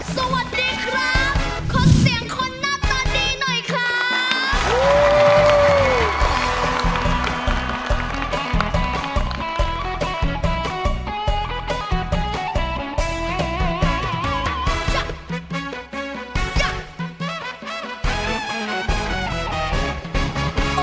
สวัสดีครับขอเสียงคนหนักตอนนี้หน่อยครับ